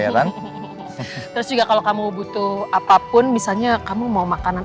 terus juga kalau kamu butuh apapun misalnya kamu mau makanan